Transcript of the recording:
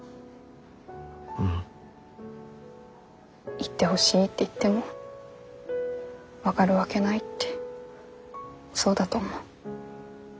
言ってほしいって言っても分かるわけないってそうだと思う。